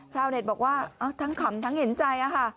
เน็ตบอกว่าทั้งขำทั้งเห็นใจค่ะ